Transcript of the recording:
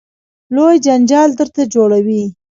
لوی جنجال درته جوړوي.